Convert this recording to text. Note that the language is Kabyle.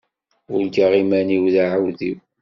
Urgaɣ iman-iw d aεewdiw.